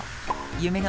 夢の